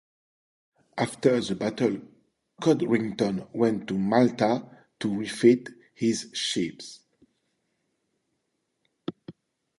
After the battle Codrington went to Malta to refit his ships.